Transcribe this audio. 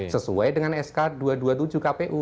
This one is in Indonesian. sesuai dengan sk dua ratus dua puluh tujuh kpu